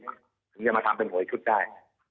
ถึงจะมาทำเป็นหวยชุดได้